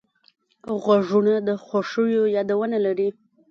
غوږونه د خوښیو یادونه لري